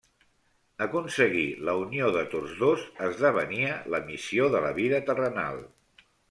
Aconseguir la unió de tots dos esdevenia la missió de la vida terrenal.